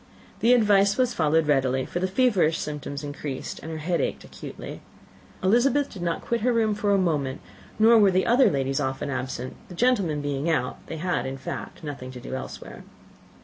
The advice was followed readily, for the feverish symptoms increased, and her head ached acutely. Elizabeth did not quit her room for a moment, nor were the other ladies often absent; the gentlemen being out, they had in fact nothing to do elsewhere.